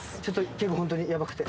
結構ホントにヤバくて。